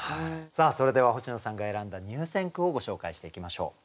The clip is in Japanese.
さあそれでは星野さんが選んだ入選句をご紹介していきましょう。